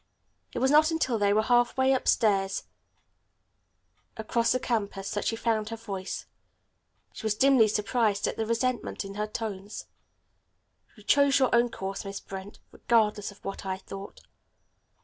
It was not until they were half way across the campus that she found her voice. She was dimly surprised at the resentment in her tones. "You chose your own course, Miss Brent, regardless of what I thought.